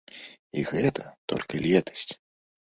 І гэта толькі летась.